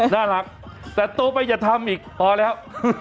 น่ารักแต่โตไปจะทำอีกต้องแล้ว